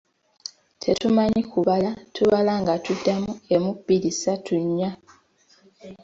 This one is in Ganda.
Tetumanyi kubala, tubala nga tuddamu emu, bbiri, ssatu, nnya.